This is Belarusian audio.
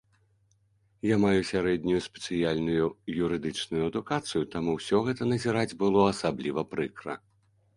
Я маю сярэднюю спецыяльную юрыдычную адукацыю, таму ўсё гэта назіраць было асабліва прыкра.